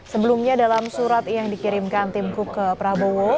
sebelumnya dalam surat yang dikirimkan tim kuk ke prabowo